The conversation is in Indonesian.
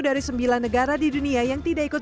dari sembilan negara di dunia yang tidak ikut